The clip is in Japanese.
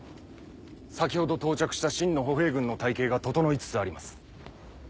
先ほど到着した秦の歩兵軍の隊形が整いつつあります。